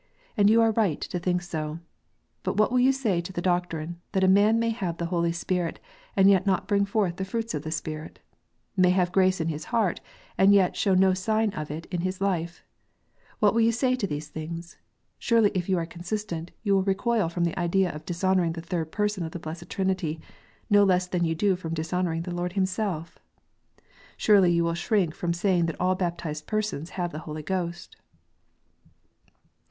And you are right to think so. But what will you say to the doctrine, that a man may have the Holy Spirit, and yet not bring forth the fruits of the Spirit ; may have grace in his heart, and yet show no sign of it in his life 1 What will you say to these things ? Surely, if you are consistent, you will recoil from the idea of dishonouring the Third Person of the blessed Trinity, no less than you do from dishonouring the Lord Himself. Surely you will shrink from saying that all baptized persons have the Holy Ghost.